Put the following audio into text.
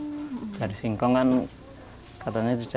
sekarang sudah tidak mengalami penyerapan makanan yang sebelumnya